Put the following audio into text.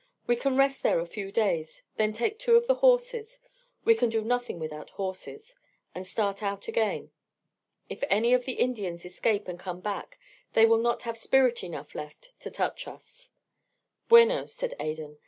We can rest there a few days, then take two of the horses we can do nothing without horses and start out again. If any of the Indians escape and come back, they will not have spirit enough left to touch us." "Bueno," said Adan.